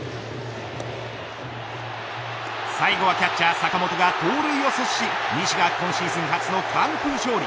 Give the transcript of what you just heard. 最後はキャッチャー坂本が盗塁を阻止し西が今シーズン初の完封勝利。